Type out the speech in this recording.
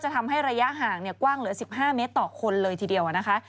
ทำให้ระยะห่างกว้างเหลือ๑๕เมตรต่อคนเลยทีเดียวนะคะ